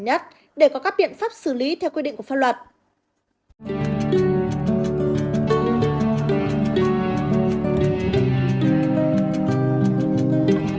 nhất để có các biện pháp xử lý theo quy định của pháp luật